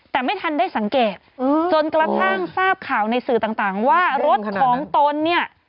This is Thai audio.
แต่ไม่ทันได้สังเกตจนกระทั่งทราบข่าวในสื่อต่างว่ารถของตนเนี่ย